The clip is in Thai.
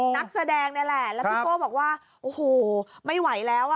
นักแสดงนี่แหละแล้วพี่โก้บอกว่าโอ้โหไม่ไหวแล้วอ่ะ